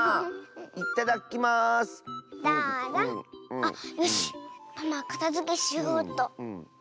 あっよしパマはかたづけしようっと。